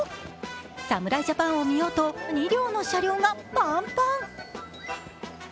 侍ジャパンを見ようと、２両の車両がパンパン。